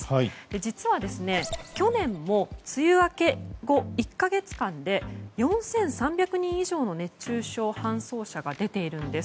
実は、去年も梅雨明け後１か月間で４３００人以上の熱中症搬送者が出ているんです。